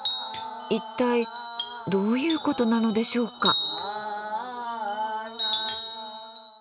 一体どういう事なのでしょうか？